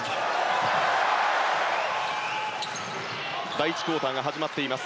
第１クオーターが始まっています。